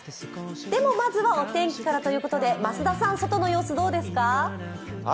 でも、まずはお天気からということで、増田さん、外の様子どうですか？